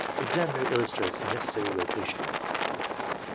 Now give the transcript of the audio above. (Examiner illustrates the necessary rota tion.)